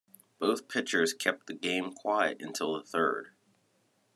Both pitchers kept the game quiet until the third.